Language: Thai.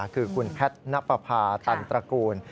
คือคุณแพทย์นับประพาตันตระกูล